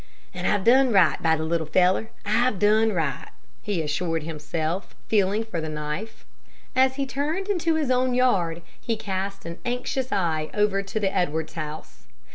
"And I've done right by the little feller, I've done right," he assured himself, feeling the knife. As he turned into his own yard, he cast an anxious eye over to the Edwards house.